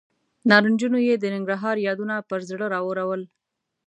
نارنجونو یې د ننګرهار یادونه پر زړه راورول.